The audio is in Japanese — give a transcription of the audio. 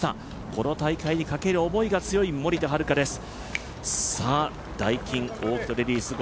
この大会にかける思いが強い森田遥です。